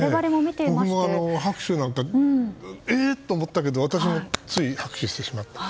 拍手があってえ？と思ったけれども私も、つい拍手してしまった。